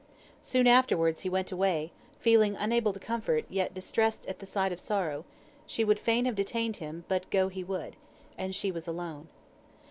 Soon afterwards he went away, feeling unable to comfort, yet distressed at the sight of sorrow; she would fain have detained him, but go he would. And she was alone.